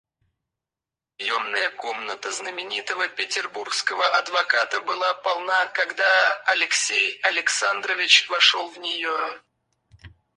Приемная комната знаменитого петербургского адвоката была полна, когда Алексей Александрович вошел в нее.